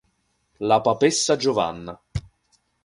La papessa Giovanna